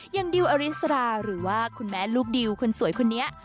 อย่างดิลอาริสราหรือว่าคุณแม่ลูกดิลคุณสวยคนนี้